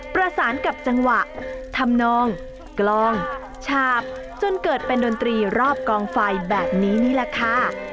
ประสานกับจังหวะทำนองกลองฉาบจนเกิดเป็นดนตรีรอบกองไฟแบบนี้นี่แหละค่ะ